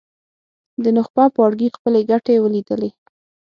د نخبه پاړکي خپلې ګټې ولیدلې.